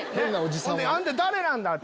「あんた誰なんだ？」